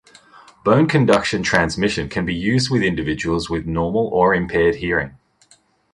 Bone conduction transmission can be used with individuals with normal or impaired hearing.